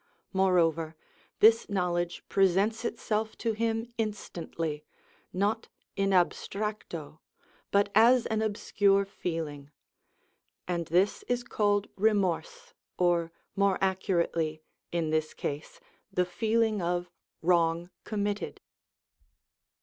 Moreover, this knowledge presents itself to him instantly, not in abstracto, but as an obscure feeling; and this is called remorse, or, more accurately in this case, the feeling of wrong committed.